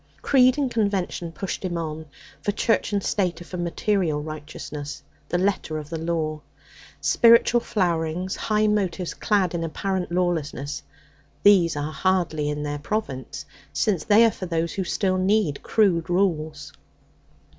Creed and convention pushed him on. For Church and State are for material righteousness, the letter of the law. Spiritual flowerings, high motives clad in apparent lawlessness these are hardly in their province since they are for those who still need crude rules.